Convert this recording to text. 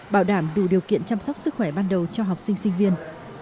bảo đảm đủ điều kiện chăm sóc sức khỏe ban đầu cho học sinh sinh viên